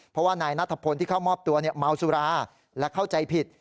เพราะว่านายนัทพลที่เข้ามอบตัวเมาสุราและเข้าใจผิด